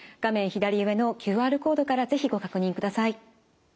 左上のＱＲコードから是非ご確認ください。